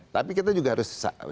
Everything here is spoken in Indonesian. tapi kita juga harus